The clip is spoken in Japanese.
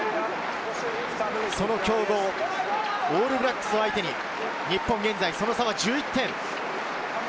その強豪・オールブラックスを相手に日本、現在その差は１１点。